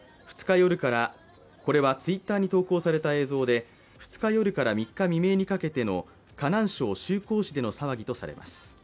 これはＴｗｉｔｔｅｒに投稿された映像で２日夜から３日未明にかけての河南省周口市での騒ぎとされます。